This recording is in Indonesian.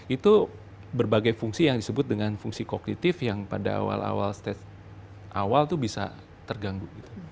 itu berbagai fungsi yang disebut dengan fungsi kognitif yang pada awal awal stage awal itu bisa terganggu